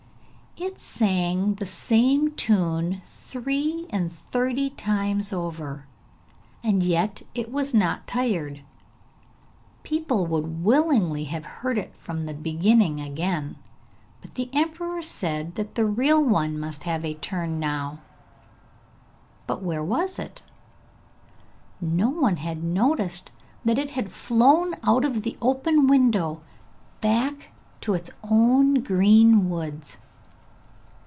_ It sang the same tune three and thirty times over, and yet it was not tired; people would willingly have heard it from the beginning again, but the emperor said that the real one must have a turn now but where was it? No one had noticed that it had flown out of the open window, back to its own green woods.